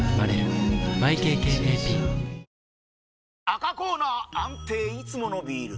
赤コーナー安定いつものビール！